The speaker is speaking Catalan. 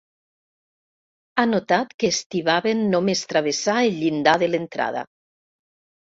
Ha notat que es tibaven només travessar el llindar de l'entrada.